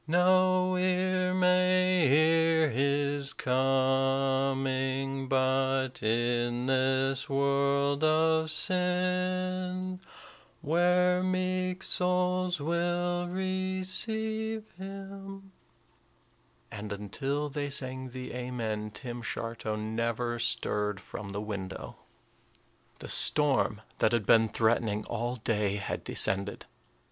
No ear may hear his coming, But in this world of sin Where meek souls will receive him" and until they sang the "Amen," Tim Shartow never stirred from the window. The storm that had been threatening all day had descended.